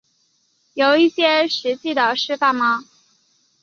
有一些实际的示范吗